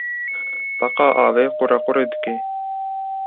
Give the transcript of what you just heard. Beqa avê qurequrê dike.